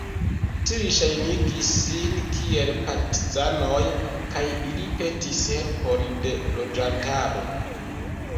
Tiuj ŝajnigis sin kiel partizanoj kaj ili petis helpon de loĝantaro.